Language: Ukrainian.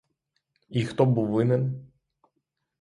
І хто був винен?